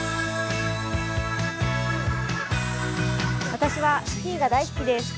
私はスキーが大好きです。